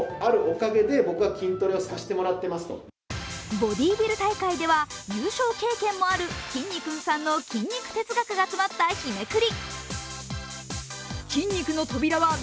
ボディービル大会では優勝経験もあるきんに君さんの筋肉哲学が詰まった日めくり。